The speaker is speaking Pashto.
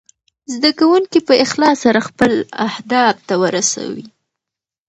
زده کونکي په اخلاص سره خپل اهداف ته ورسوي.